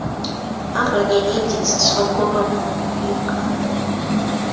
Kkampuni nnyingi ezisoggola omwenge mu Uganda.